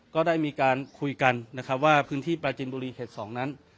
ก็ได้มีการคุยกันนะครับว่าพื้นที่ปราจินบุรีเขต๒นั้น